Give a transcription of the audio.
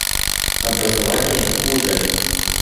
Образование — хуже.